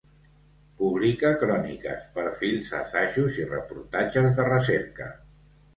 Publica cròniques, perfils, assajos i reportatges de recerca.